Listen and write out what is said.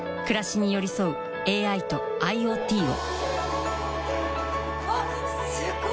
暮らしに寄り添うＡＩとＩｏＴをわぁ！